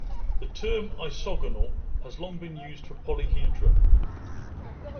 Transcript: The term isogonal has long been used for polyhedra.